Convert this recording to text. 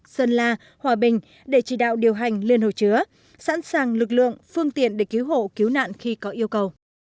sơn la hòa bình để chỉ đạo điều hành liên hồ chứa sẵn sàng lực lượng phương tiện để cứu hộ cứu nạn khi có yêu cầu